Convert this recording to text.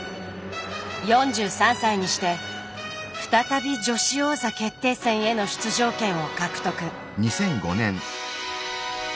４３歳にして再び女子王座決定戦への出場権を獲得。